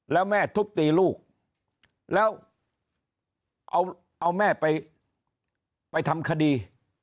แล้วแม่ทุบตีลูกแล้วเอาแม่ไปทำคดี